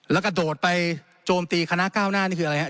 แล้วกระโดดไปโจมตีคณะก้าวหน้านี่คืออะไรครับ